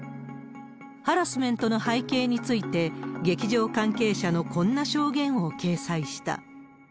ハラスメントの背景について、劇場関係者のこんな証言を掲載した。